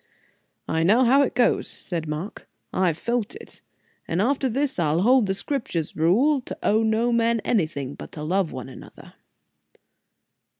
"I know how it goes," said Mark; "I've felt it. And after this, I'll hold the Scripture rule, to owe no man anything but to love one another."